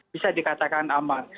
bisa dikatakan aman